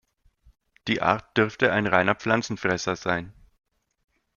Die Art dürfte ein reiner Pflanzenfresser sein.